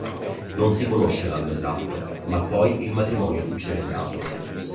Non si conosce l'anno esatto, ma poi il matrimonio fu celebrato.